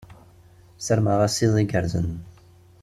Ssarmeɣ-as iḍ igerrzen.